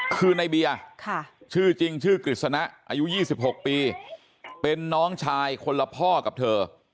คือในเบียร์ชื่อจริงชื่อกฤษณะอายุ๒๖ปีเป็นน้องชายคนละพ่อกับเธอ